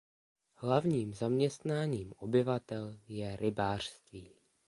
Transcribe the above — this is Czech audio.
Hlavním zaměstnáním obyvatel je rybářství.